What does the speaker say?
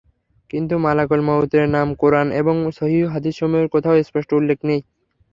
কিন্তু মালাকুল মউতের নাম কুরআন এবং সহীহ হাদীসসমূহের কোথাও স্পষ্ট উল্লেখ নেই।